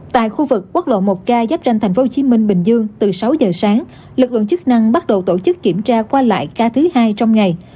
tại khu vực quốc lộ một k giáp tranh tp hcm bình dương từ sáu giờ sáng lực lượng chức năng bắt đầu tổ chức kiểm tra qua lại ca thứ hai trong ngày